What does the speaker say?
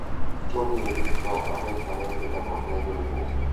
Ciò viene detto apertamente da Cornelio Nepote.